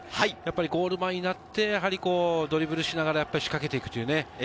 ゴール前になってドリブルをしながら仕掛けていく。